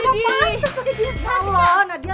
gak sayang tau sama lo berdua